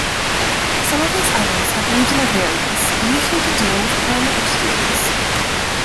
Some of these items have regional variants, usually to deal with climate extremes.